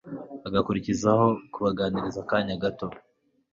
agakurikizaho kubaganiriza akanya gato